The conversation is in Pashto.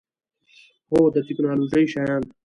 هو، د تکنالوژۍ شیان